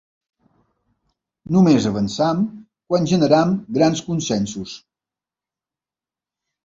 Només avancem quan generem grans consensos.